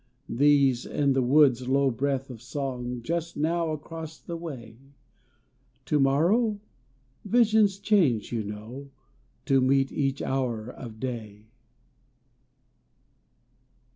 These and the woods' low breath of song Just now across the way; To morrow?... visions change, you know, To meet each hour of day.